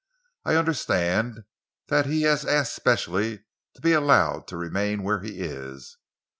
"I understand that he has asked specially to be allowed to remain where he is.